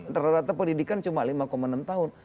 rata rata pendidikan cuma lima enam tahun